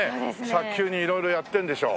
早急に色々やってるんでしょう。